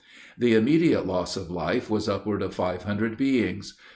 The immediate loss of life was upward of five hundred beings!